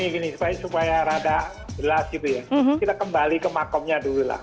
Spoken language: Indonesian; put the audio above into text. gini supaya rada jelas gitu ya kita kembali ke makamnya dulu lah